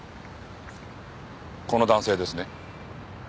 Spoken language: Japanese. この男性ですね？